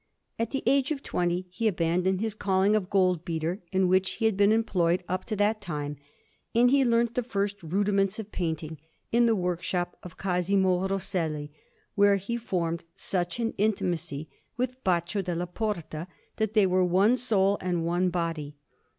At the age of twenty he abandoned his calling of gold beater, in which he had been employed up to that time; and he learnt the first rudiments of painting in the workshop of Cosimo Rosselli, where he formed such an intimacy with Baccio della Porta, that they were one soul and one body.